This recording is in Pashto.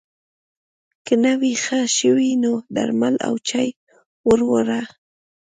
که نه وي ښه شوی نو درمل او چای ور وړه